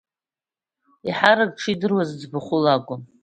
Еиҳарак дшидыруаз ӡбахәла акәын.